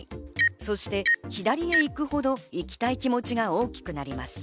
そして左へ行くほど、行きたい気持ちが大きくなります。